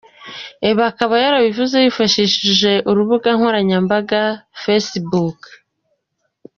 Ibi akaba yarabivuze yifashishije urubuga nkoranyambaga facebook.